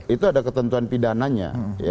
itu ada ketentuan pidana nya